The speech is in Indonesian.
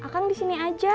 kang disini aja